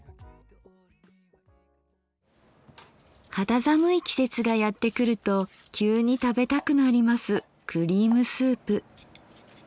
肌寒い季節がやって来ると急に食べたくなりますクリームスープ。